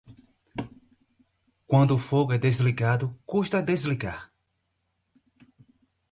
Quando o fogo é desligado, custa desligar.